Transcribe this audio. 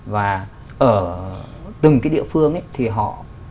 và ở từng địa phương thì họ